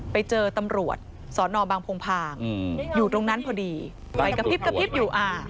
ไปเจอตำรวจสอนอบางพงพางอยู่ตรงนั้นพอดีไปกระพริบกระพริบอยู่อ่า